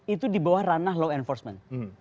itu di bawah ranah law enforcement